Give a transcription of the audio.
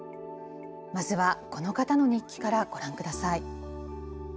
まずはこの方の日記からご覧ください。